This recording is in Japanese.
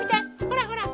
ほらほら。